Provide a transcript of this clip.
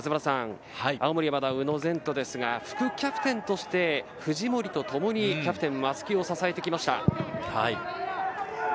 青森山田の宇野禅斗ですが、副キャプテンとして藤森とともにキャプテン・松木を支えてきました。